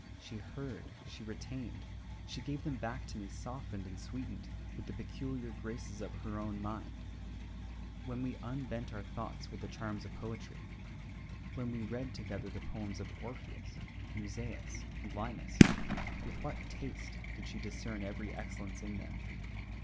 She heard, she retained, she gave them back to me softened and sweetened with the peculiar graces of her own mind. When we unbent our thoughts with the charms of poetry, when we read together the poems of Orpheus, Musaeus, and Linus, with what taste did she discern every excellence in them!